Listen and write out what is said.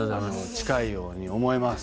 近いように思います。